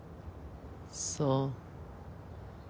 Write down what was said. そう。